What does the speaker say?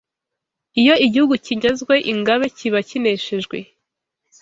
Iyo igihugu kinyazwe ingabe kiba kineshejwe